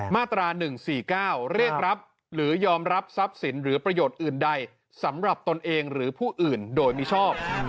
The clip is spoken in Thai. มาตรา๑๔๙เรียกรับหรือยอมรับทรัพย์สินหรือประโยชน์อื่นใดสำหรับตนเองหรือผู้อื่นโดยมิชอบ